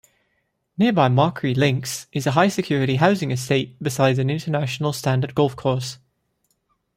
Nearby Macquarie Links, is a high-security housing estate beside an international standard golf course.